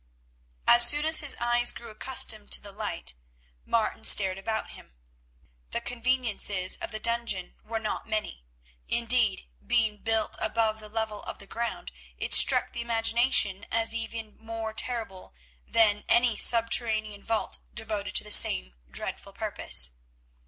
As soon as his eyes grew accustomed to the light, Martin stared about him. The conveniences of the dungeon were not many; indeed, being built above the level of the ground, it struck the imagination as even more terrible than any subterranean vault devoted to the same dreadful purpose.